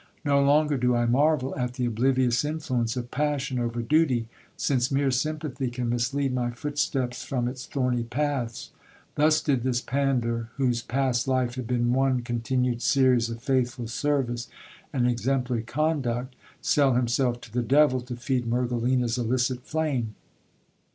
No longer do I marvel at the oblivious influence of passion over duty, since mere sympathy can mislead my footsteps from its thorny paths. Thus did this pander, whose past life had been one con tinued series of faithful service and exemplary conduct, sell himself to the devil to feed Mergelina's illicit flame.